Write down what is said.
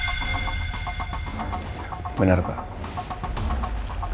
karena saya bener bener butuh kesaksian dari bapak